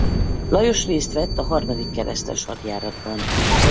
Lajos részt vett a harmadik keresztes hadjáratban.